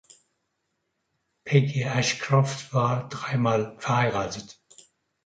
Peggy Ashcroft war drei Mal verheiratet.